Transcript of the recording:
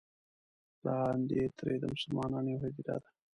لاندې ترې د مسلمانانو یوه هدیره ده.